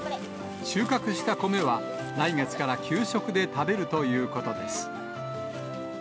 収穫した米は、来月から給食で食べるということです。